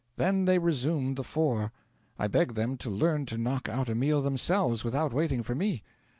Then they resumed the four. I begged them to learn to knock out a meal themselves, without waiting for me.